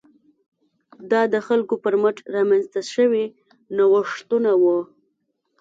دا د خلکو پر مټ رامنځته شوي نوښتونه وو.